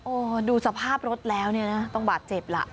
โอ้โหดูสภาพรถแล้วเนี่ยนะต้องบาดเจ็บล่ะ